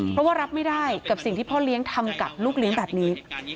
เพราะว่ารับไม่ได้กับสิ่งที่พ่อเลี้ยงทำกับลูกเลี้ยงแบบนี้